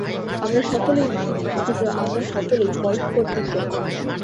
আমরা সকলেই মানুষ অথচ আমরা সকলেই পরস্পর পৃথক্।